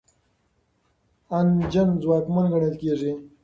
انجن ځواکمن ګڼل کیږي.